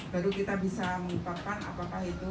baru kita bisa melupakan apa apa itu